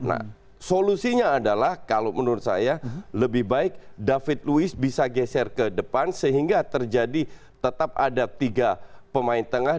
nah solusinya adalah kalau menurut saya lebih baik david louis bisa geser ke depan sehingga terjadi tetap ada tiga pemain tengah